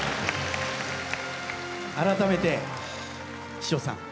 改めて吉笑さん